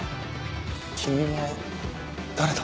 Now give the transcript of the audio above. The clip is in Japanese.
君は誰だ？